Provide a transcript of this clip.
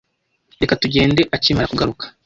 Reka tugende akimara kugaruka.